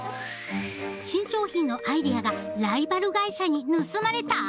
新商品のアイデアがライバル会社に盗まれた！？